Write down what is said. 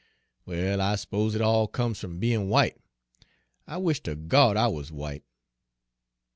Well, I s'pose it all comes f'm bein' w'ite. I wush ter Gawd I wuz w'ite!"